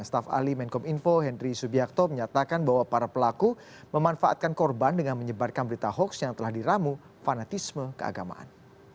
staf ahli menkom info henry subiakto menyatakan bahwa para pelaku memanfaatkan korban dengan menyebarkan berita hoax yang telah diramu fanatisme keagamaan